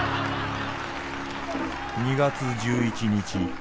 「２月１１日。